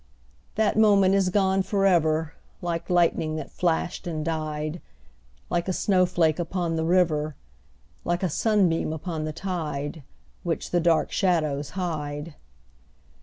_5 2. That moment is gone for ever, Like lightning that flashed and died Like a snowflake upon the river Like a sunbeam upon the tide, Which the dark shadows hide.